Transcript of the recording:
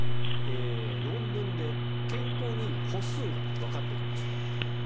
論文で健康にいい歩数がわかってきました。